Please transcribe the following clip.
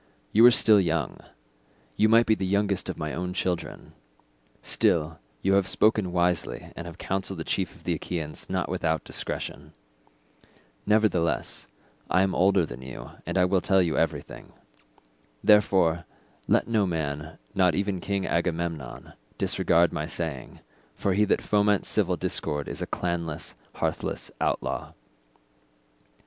You are still young—you might be the youngest of my own children—still you have spoken wisely and have counselled the chief of the Achaeans not without discretion; nevertheless I am older than you and I will tell you everything; therefore let no man, not even King Agamemnon, disregard my saying, for he that foments civil discord is a clanless, hearthless outlaw.